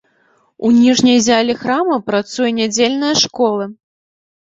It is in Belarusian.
У ніжняй зале храма працуе нядзельная школа.